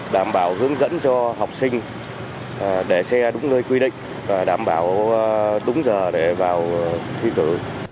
đảm bảo hướng dẫn cho học sinh để xe đúng nơi quy định và đảm bảo đúng giờ để vào thi cử